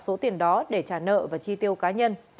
uyên đã đưa tiền đó để trả nợ và chi tiêu cá nhân